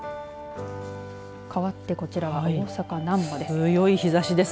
かわってこちらは大阪、なんばです。